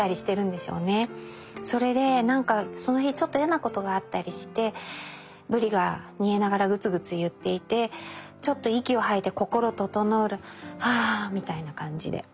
それでなんかその日ちょっと嫌なことがあったりして鰤が煮えながらグツグツいっていてちょっと息を吐いて心ととのふるあみたいな感じで。